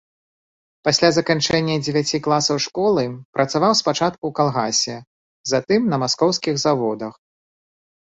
Пасля заканчэння дзевяці класаў школы працаваў спачатку ў калгасе, затым на маскоўскіх заводах.